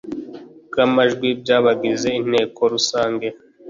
Bw amajwi by abagize inteko rusange